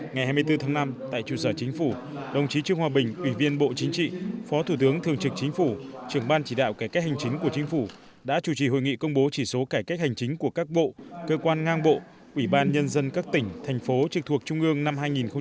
ngày hai mươi bốn tháng năm tại trụ sở chính phủ đồng chí trương hòa bình ủy viên bộ chính trị phó thủ tướng thường trực chính phủ trưởng ban chỉ đạo cải cách hành chính của chính phủ đã chủ trì hội nghị công bố chỉ số cải cách hành chính của các bộ cơ quan ngang bộ ủy ban nhân dân các tỉnh thành phố trực thuộc trung ương năm hai nghìn một mươi chín